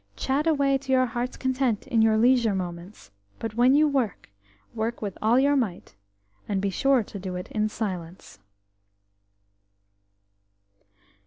Chat away to your hearts' content in your leisure moments, but when you work, work with all your might, and be sure to do it in silence."